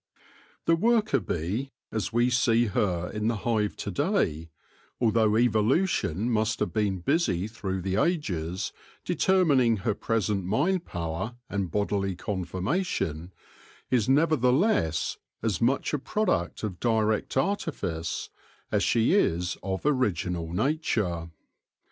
The worker bee, as we see her in the hive to day, although evolution must have been busy through the ages determining her present mind power and bodily conformation, is nevertheless as much a product of direct artifice as she is of original nature.